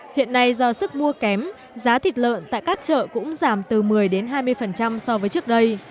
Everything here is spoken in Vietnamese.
hiện nay do sức mua kém giá thịt lợn tại các chợ cũng giảm từ một mươi hai mươi so với trước đây